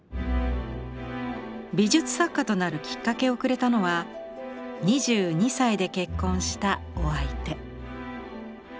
美術作家となるきっかけをくれたのは２２歳で結婚したお相手。